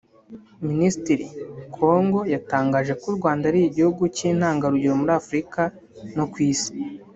Minisitiri Kongo yatangaje ko u Rwanda ari igihugu cy’intangarugero muri Afurika no ku isi